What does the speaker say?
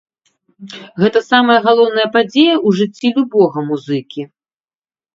Гэта самая галоўная падзея ў жыцці любога музыкі.